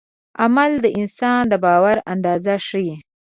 عمل د انسان د باور اندازه ښيي.